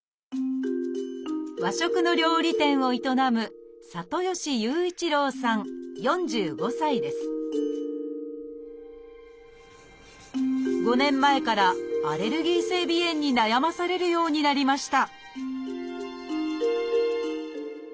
和食の料理店を営む５年前からアレルギー性鼻炎に悩まされるようになりました